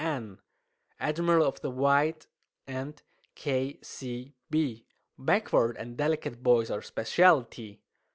N., Admiral of the White, and K.C.B.). Backward and delicate boys a speciality.